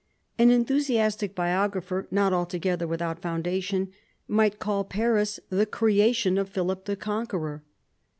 An enthusiastic bio grapher, not altogether without foundation, might call Paris the creation of Philip the Conqueror.